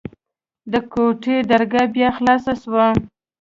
د کوټې درګاه بيا خلاصه سوه.